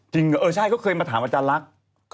เหรอเออใช่เขาเคยมาถามอาจารย์ลักษณ์